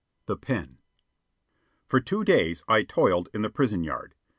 THE PEN For two days I toiled in the prison yard.